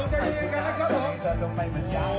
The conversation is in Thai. โอ้โหโอ้โห